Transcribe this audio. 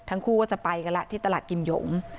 ทั้งคู่ก็จะไปกันละที่ตลาดกิมหยง